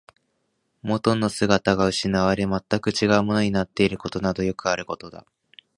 元の姿が失われ、全く違うものになっていることなどよくあることだった